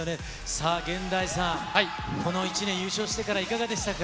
さあ、ＧＥＮＤＡＩさん、この１年、優勝してからいかがでしたか？